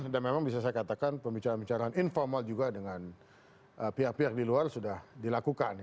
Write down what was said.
dan memang bisa saya katakan pembicaraan pembicaraan informal juga dengan pihak pihak di luar sudah dilakukan